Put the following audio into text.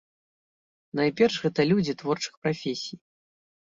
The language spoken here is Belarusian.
Найперш гэта людзі творчых прафесій.